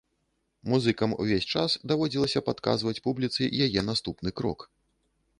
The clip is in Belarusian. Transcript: Музыкам увесь час даводзілася падказваць публіцы яе наступны крок.